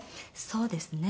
そうですね。